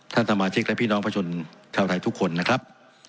ท่านสมาชิกและพี่น้องประชาชนชาวไทยทุกคนนะครับ